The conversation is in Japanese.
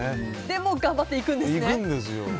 でも、頑張って行くんですね。